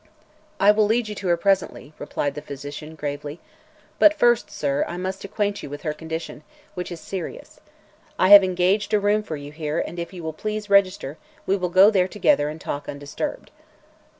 "I will lead you to her presently," replied the physician gravely; "but first, sir, I must acquaint you with her condition, which is serious. I have engaged a room for you here and if you will please register we will go there together and talk undisturbed."